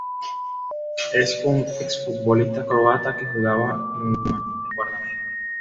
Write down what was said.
Es un ex-futbolista croata que jugaba de Guardameta.